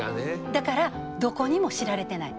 だからどこにも知られてない。